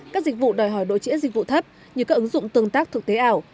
các dịch vụ đòi hỏi độ trễ dịch vụ thấp như các ứng dụng tương tác thực tế ảo